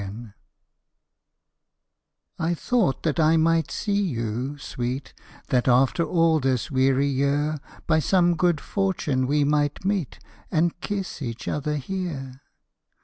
TO —— I thought that I might see you, sweet, That after all this weary year By some good fortune we might meet, And kiss each other here.